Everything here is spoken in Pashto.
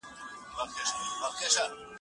کندارۍ ملالې چا ته ګیله وکړو